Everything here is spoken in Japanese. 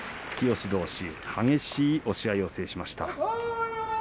突き押しどうし、激しい押し合いを制しました。